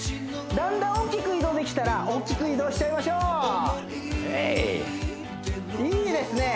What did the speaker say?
だんだん大きく移動できたら大きく移動しちゃいましょういいですね